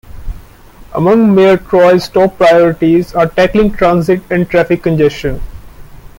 Among Mayor Tory's top priorities are tackling transit and traffic congestion.